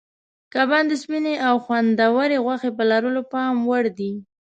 کبان د سپینې او خوندورې غوښې په لرلو پام وړ دي.